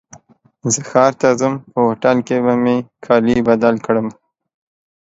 زه ښار ته ځم په هوټل کي به مي کالي بدل کړم.